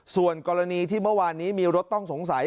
ส่วนกรณีที่เมื่อวานนี้มีรถต้องสงสัย